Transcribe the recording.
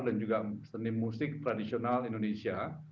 dan juga seni musik tradisional indonesia